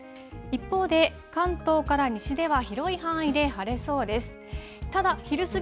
一方で、関東から西では広い範囲で晴れそうです。